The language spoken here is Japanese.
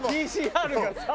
「ＰＣＲがさ」。